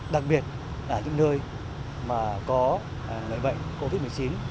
đặc biệt là những nơi mà có người bệnh covid một mươi chín